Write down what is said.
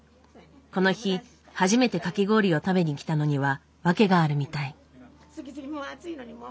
この日初めてかき氷を食べに来たのには訳があるみたい。